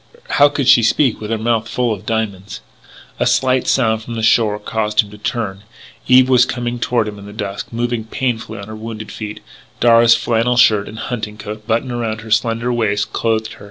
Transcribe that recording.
How could she speak with her mouth full of diamonds? A slight sound from the shore caused him to turn. Eve was coming toward him in the dusk, moving painfully on her wounded feet. Darragh's flannel shirt and his hunting coat buttoned around her slender waist clothed her.